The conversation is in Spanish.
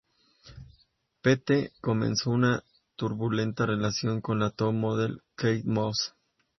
Pete comenzó una turbulenta relación con la top model Kate Moss.